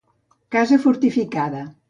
Casa fortificada.